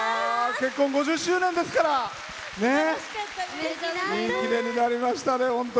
結婚５０周年ですからいい記念になりましたね。